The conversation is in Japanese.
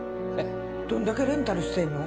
どんだけレンタルしてるの？